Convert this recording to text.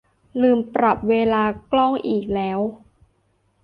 ลืมปรับเวลากล้องอีกแล้ว